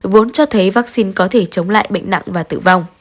vốn cho thấy vaccine có thể chống lại bệnh nặng và tử vong